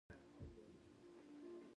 زموږ وربوی همېشه پاک وو